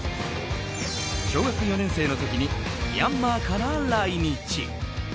小学４年生の時にミャンマーから来日。